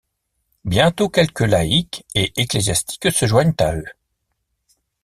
Bientôt quelques laïques et ecclésiastiques se joignent à eux.